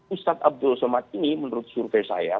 ustadz abdul salman ini menurut saya